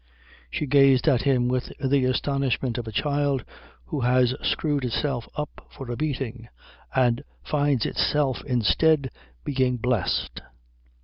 She gazed at him with the astonishment of a child who has screwed itself up for a beating and finds itself instead being blessed.